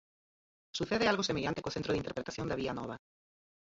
Sucede algo semellante co centro de interpretación da Vía Nova.